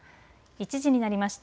１時になりました。